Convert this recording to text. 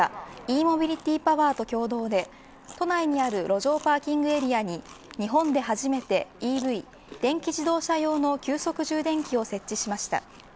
ｅ−ＭｏｂｉｌｉｔｙＰｏｗｅｒと協同で都内にある路上パーキングエリアに日本で初めてＥＶ電気自動車用の急速充電器を設置しました。